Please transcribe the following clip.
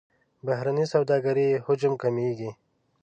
بهرنۍ سوداګرۍ حجم کمیږي.